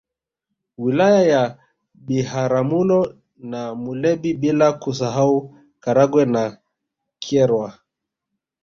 Wilaya ya Biharamulo na Muleba bila kusahau Karagwe na Kyerwa